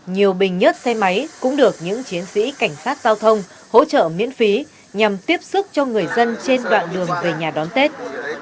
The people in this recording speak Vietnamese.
nhiều bình nhất xe máy cũng được những chiến sĩ cảnh sát giao thông hỗ trợ miễn phí nhằm tiếp xúc cho người dân trên đoạn đường về nhà đón tết